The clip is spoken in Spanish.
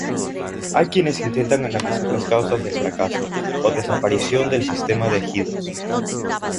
Hay quienes intentan analizar las causas del fracaso o desaparición del sistema de ejidos.